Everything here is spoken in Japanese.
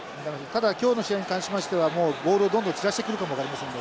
ただ今日の試合に関しましてはもうボールをどんどん散らしてくるかも分かりませんのでね。